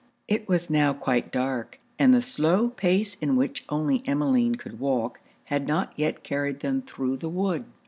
It was now quite dark; and the slow pace in which only Emmeline could walk, had not yet carried them through the wood.